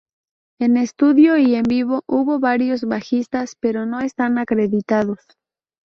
En estudio y en vivo hubo varios bajistas pero no están acreditados